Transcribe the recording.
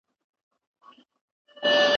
دا سیمي اوس د مهاراجا ملکیت دی.